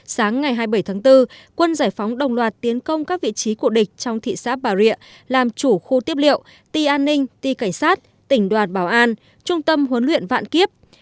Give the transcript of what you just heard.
sáng ngày hai mươi bảy tháng bốn quân giải phóng đồng loạt tiến công các vị trí của địch trong thị xã bà rịa làm chủ khu tiếp liệu ti an ninh ti cảnh sát tỉnh đoàn bảo an trung tâm huấn luyện vạn kiếp